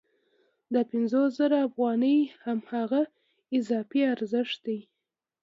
دا پنځوس زره افغانۍ هماغه اضافي ارزښت دی